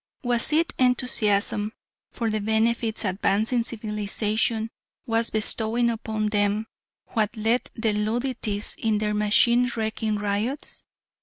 Was it enthusiasm for the benefits advancing civilisation was bestowing upon them that led the Luddites in their machine wrecking riots?